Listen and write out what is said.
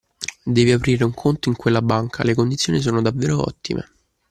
Devi aprire un conto in quella banca, le condizioni sono davvero ottime.